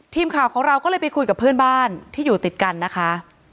ทีมข่าวของเราก็เลยไปคุยกับเพื่อนบ้านที่อยู่ติดกันนะคะ